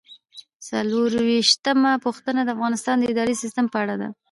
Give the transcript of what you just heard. څلرویشتمه پوښتنه د افغانستان د اداري سیسټم په اړه ده.